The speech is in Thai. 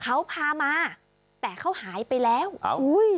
เขาพามาแต่เขาหายไปแล้วอ๊ะ